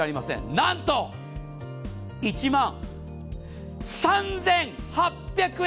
なんと、１万３８００円。